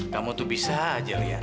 kamu tuh bisa aja lihat